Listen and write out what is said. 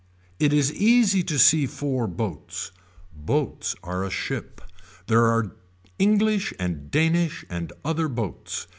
It is easy to see four boats. Boats are a ship. There are English and Danish and other boats.